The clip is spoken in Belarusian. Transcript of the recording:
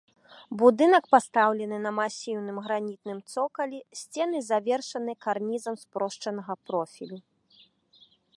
Будынак пастаўлены на масіўным гранітным цокалі, сцены завершаны карнізам спрошчанага профілю.